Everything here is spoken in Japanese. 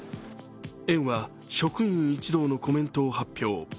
園は職員一同のコメントを発表。